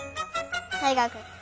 たいがくん。